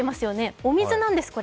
お水なんです、これ。